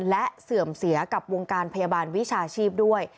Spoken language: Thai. และเสื่อมเสียกับวงการพยาบาลวิชาชีพด้วย